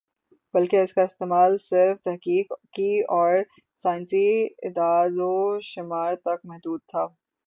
بلکہ اس کا استعمال صرف تحقیقی اور سائنسی اعداد و شمار تک محدود تھا